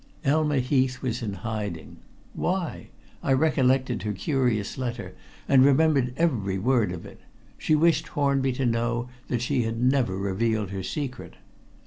Elma Heath was in hiding. Why? I recollected her curious letter and remembered every word of it. She wished Hornby to know that she had never revealed her secret.